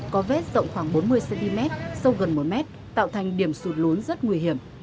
có vết rộng khoảng bốn mươi cm sâu gần một m tạo thành điểm sụt lún rất nguy hiểm